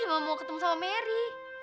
mama mau ketemu sama mary